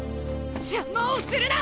邪魔をするな！